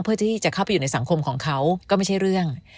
เพื่อที่จะเข้าไปอยู่ในสังคมของเขาก็ไม่ใช่เรื่อง